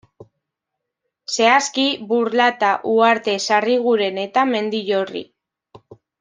Zehazki, Burlata, Uharte, Sarriguren eta Mendillorri.